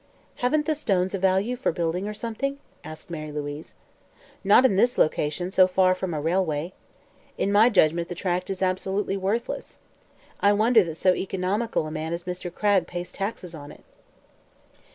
"Haven't the stones a value, for building or something?" asked Mary Louise. "Not in this location, so far from a railway. In my judgment the tract is absolutely worthless. I wonder that so economical a man as Mr. Cragg pays taxes on it."